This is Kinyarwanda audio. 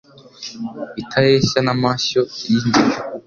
Itareshya n' amashyo y' Ingeyo